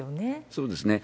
そうですね。